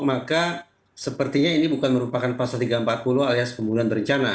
maka sepertinya ini bukan merupakan pasal tiga ratus empat puluh alias pembunuhan berencana